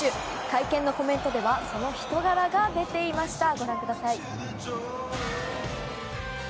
会見のコメントではその人柄が出ていました。